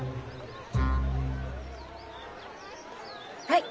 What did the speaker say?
はい。